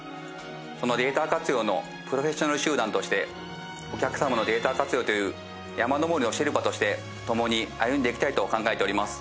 そのデータ活用のプロフェッショナル集団としてお客様のデータ活用という山登りのシェルパとして共に歩んでいきたいと考えております。